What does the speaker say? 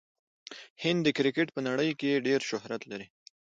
هند د کرکټ په نړۍ کښي ډېر شهرت لري.